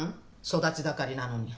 育ち盛りなのに。